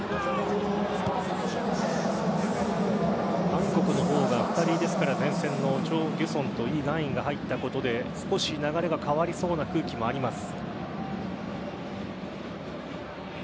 韓国の方が２人前線のチョ・ギュソンとイ・ガンインが入ったことで少し流れが変わりそうな空気もあります。